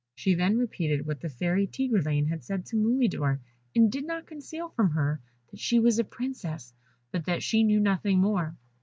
She then repeated what the Fairy Tigreline had said to Mulidor, and did not conceal from her that she was a princess, but that she knew nothing more.